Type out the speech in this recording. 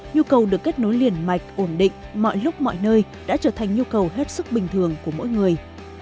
nhu cầu được kết nối liền mạch ổn định mọi lúc mọi nơi đã trở thành nhu cầu hết sức bình thường của mỗi người